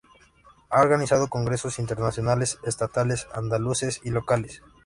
Ha organizado congresos internacionales, estatales, andaluces y locales.